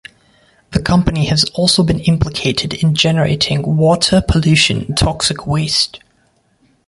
The Company has also been implicated in generating water pollution and toxic waste.